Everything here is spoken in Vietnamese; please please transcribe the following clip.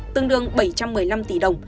tương đương bảy trăm một mươi năm tỷ đồng